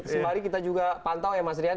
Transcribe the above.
sembari kita juga pantau ya mas rian